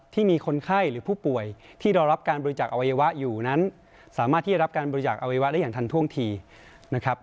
มีคนไข้หรือผู้ป่วยที่รอรับการบริจาคอวัยวะอยู่นั้นสามารถที่จะรับการบริจาคอวัยวะได้อย่างทันท่วงทีนะครับ